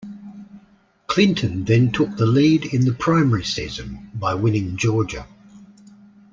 Clinton then took the lead in the primary season by winning Georgia.